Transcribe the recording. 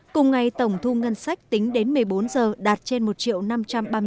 cùng ngày tổng thủ tướng chính phủ tham dự và chỉ đạo hội nghị trực tuyến toán cuối năm hai nghìn một mươi chín